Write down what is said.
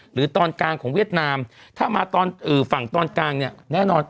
ตอนกลางของเวียดนามถ้ามาตอนฝั่งตอนกลางเนี่ยแน่นอน